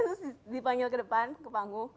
terus dipanggil ke depan ke panggung